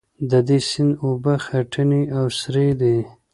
د دې سیند اوبه خټینې او سرې دي.